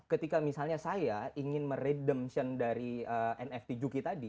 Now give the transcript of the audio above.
ketika misalnya saya ingin meredemption dari nft juki tadi